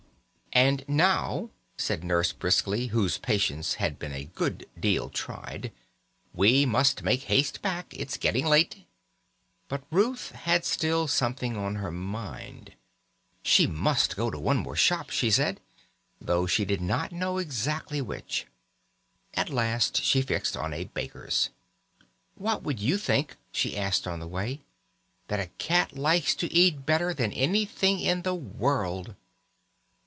"And now," said Nurse briskly, whose patience had been a good deal tried, "we must make haste back, it's getting late." But Ruth had still something on her mind. She must go to one more shop, she said, though she did not know exactly which. At last she fixed on a baker's. "What should you think," she asked on the way, "that a cat likes to eat better than anything in the world?"